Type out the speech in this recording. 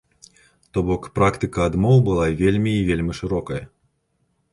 То бок, практыка адмоў была вельмі і вельмі шырокая.